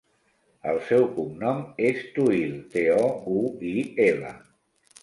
El seu cognom és Touil: te, o, u, i, ela.